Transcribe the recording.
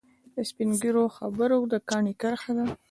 د سپین ږیرو خبره د کاڼي کرښه ده.